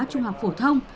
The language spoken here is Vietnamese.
trung học phổ thông